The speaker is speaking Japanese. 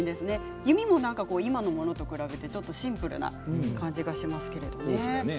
弓も今のものと比べてシンプルな感じがしますけどね。